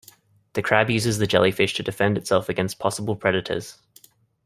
The crab uses the jellyfish to defend itself against possible predators.